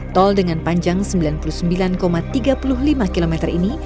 tol dengan panjang sembilan puluh sembilan tiga puluh lima km ini